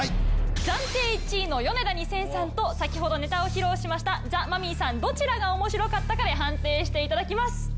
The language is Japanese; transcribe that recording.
暫定１位のヨネダ２０００さんと先ほどネタを披露しましたザ・マミィさんどちらが面白かったかで判定していただきます。